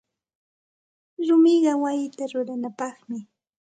Rumiqa wayita ruranapaqmi.